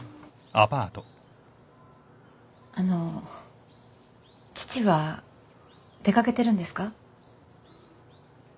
あの父は出掛けてるんですか？